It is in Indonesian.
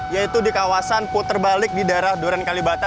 yaitu di kawasan puterbalik di daerah duren kalibata